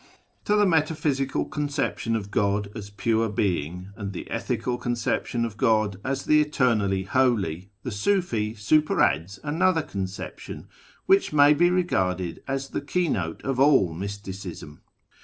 To the metaphysical conception of God as Pure Being, and the ethical conception of God as the Eternally Holy, the Siifi superadds another conception, which may be regarded as the keynote of all Mysticism.